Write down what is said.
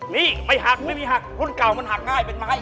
นี่ไปหักไม่มีหักรุ่นเก่ามันหักง่ายเป็นไม้